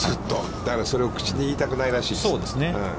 だから、それを口で言いたくないらしいです。